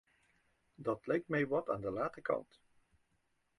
Dat lijkt mij wat aan de late kant.